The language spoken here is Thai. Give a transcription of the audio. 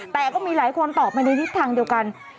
แต่ก็มีหลายคนตอบมาในทิศทางเดียวกัน